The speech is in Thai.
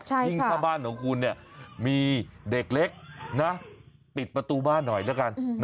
ยิ่งถ้าบ้านของคุณมีเด็กเล็กปิดประตูบ้านหน่อยแล้วกัน